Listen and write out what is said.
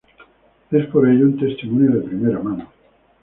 Es por ello un testimonio de primera mano.